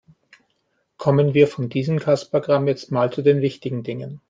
Kommen wir von diesem Kasperkram jetzt mal zu den wichtigen Dingen.